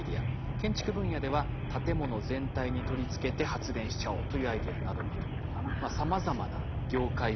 建築分野では建物全体に取り付けて発電しちゃおうというアイデアなどなど。